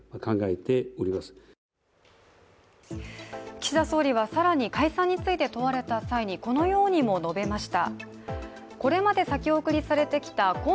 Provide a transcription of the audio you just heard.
岸田総理は更に解散について問われた際に、このようにも述べました。